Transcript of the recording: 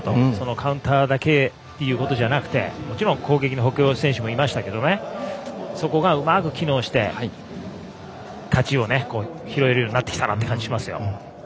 カウンターだけじゃなくて攻撃の補強の選手もいましたけどそこがうまく機能して勝ちを拾えるようになってきたかなという感じがします。